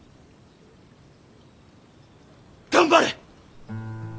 頑張れ！